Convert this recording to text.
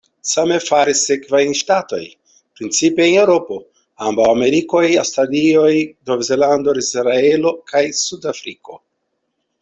Same faris sekvaj ŝtatoj, principe en Eŭropo, ambaŭ Amerikoj, Aŭstralio, Nov-Zelando, Israelo kaj Sud-Afriko.